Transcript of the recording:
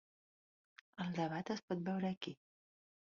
El debat es pot veure aquí.